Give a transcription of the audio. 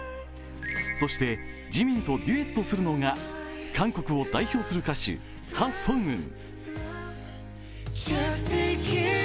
そしてＪＩＭＩＮとデュエットするのが韓国を代表する歌手、ハ・ソンウン。